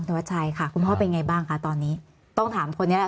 คุณพ่อชายค่ะคุณพ่อเป็นไงบ้างค่ะตอนนี้ต้องถามคนนี้แหละ